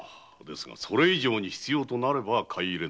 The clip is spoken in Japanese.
それ以上に必要となれば買い入れねばなりません。